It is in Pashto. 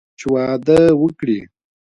چې واده وکړي.